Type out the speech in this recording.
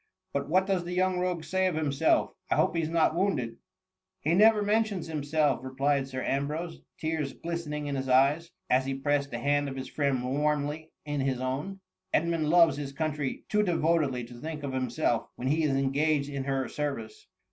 But what does the young rogue say of him self? I hope he's not wounded F" ^' He never mentions himself,^ replied Sir Ambrose, tears glistening in his eyes, as he pressed the hand of his friend warmly in his own ;^^ Edmund loves his country too devoted ly to think of himself when he is engaged in her service."